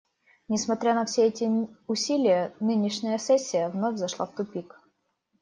Несмотря на все эти усилия, нынешняя сессия вновь зашла в тупик.